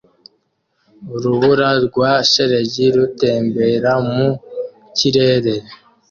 Urubura rwa shelegi rutembera mu kirere